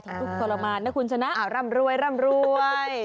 ทุกข์ทรมานนะคุณชนะร่ำรวยร่ำรวย